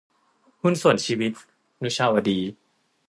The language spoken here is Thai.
หุ้นส่วนชีวิต - นุชาวดี